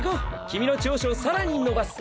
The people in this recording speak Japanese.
君の長所を更に伸ばす。